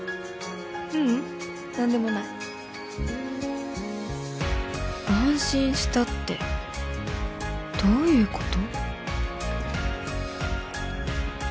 ううん何でもない安心したってどういうこと？